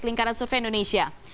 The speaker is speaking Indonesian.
lingkaran survei indonesia